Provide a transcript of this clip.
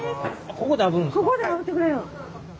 ここであぶってくれるん？